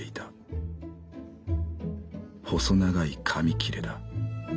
細長い紙きれだ。